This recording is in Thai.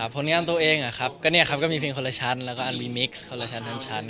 ผลงานตัวเองก็มีเพลงคนละชั้นแล้วก็มีมิกซ์คนละชั้นทั้งชั้น